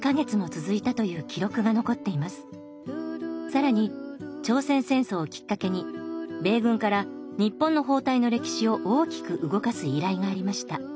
更に朝鮮戦争をきっかけに米軍から日本の包帯の歴史を大きく動かす依頼がありました。